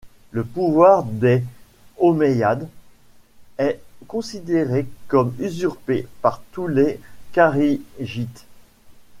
Le pouvoir des Omeyyades est considéré comme usurpé par tous les Kharijites.